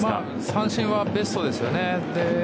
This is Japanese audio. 三振がベストですね。